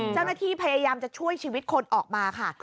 เจ้าหน้าที่พยายามจะช่วยชีวิตคนออกมาค่ะ